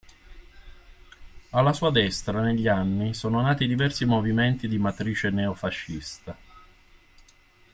Alla sua destra negli anni sono nati diversi movimenti di matrice neo-fascista.